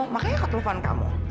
makanya keteluan kamu